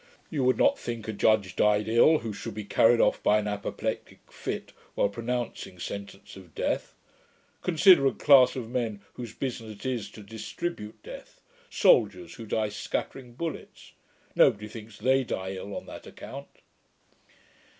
You would not think a judge died ill, who should be carried off by an apoplectick fit while pronouncing sentence of death. Consider a class of men whose business it is to distribute death: soldiers, who die scattering bullets. Nobody thinks they die ill on that account.'